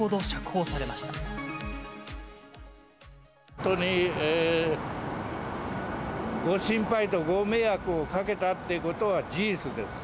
本当にご心配とご迷惑をかけたってことは事実です。